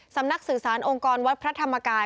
สำนักสื่อสารองค์กรวัดพระธรรมกาย